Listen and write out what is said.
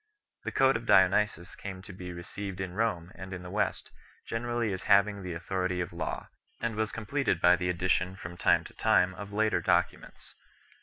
This Code of Dionysius came to be received in Rome and in the West generally as having the autho rity of law, and was completed by the addition from time to time of later documents.